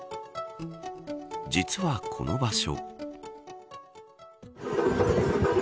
実は、この場所。